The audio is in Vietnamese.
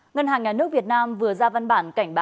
ngân hàng nhà nước việt nam vừa ra văn bản cảnh báo